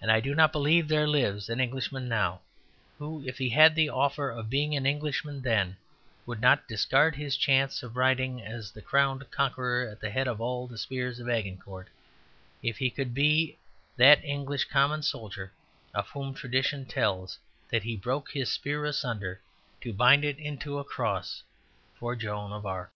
And I do not believe there lives an Englishman now, who if he had the offer of being an Englishman then, would not discard his chance of riding as the crowned conqueror at the head of all the spears of Agincourt, if he could be that English common soldier of whom tradition tells that he broke his spear asunder to bind it into a cross for Joan of Arc.